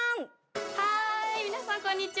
はーい皆さんこんにちは。